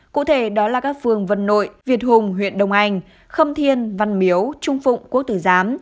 cụ thể đó là các phương vân nội việt hùng huyện đông anh khâm thiên văn miếu trung phụng quốc tử giám